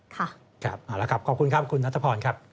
ครับขอบคุณครับคุณนัทพอร์